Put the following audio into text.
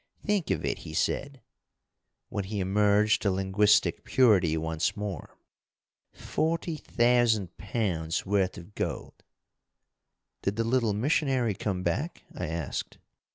"Think of it," he said, when he emerged to linguistic purity once more. "Forty thousand pounds worth of gold." "Did the little missionary come back?" I asked.